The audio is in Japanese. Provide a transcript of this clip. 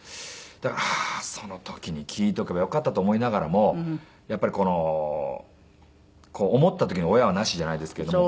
だからああーその時に聞いておけばよかったと思いながらもやっぱりこの思った時に親はなしじゃないですけれども。